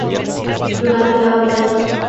Durante la batalla.